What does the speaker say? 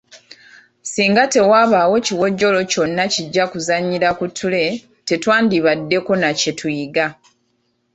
Singa tewabaawo kiwojjolo kyonna kijja kuzannyira ku ttule, tewandibaddeko na kye tuyiga.